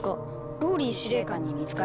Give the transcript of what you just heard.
ＲＯＬＬＹ司令官に見つかり」。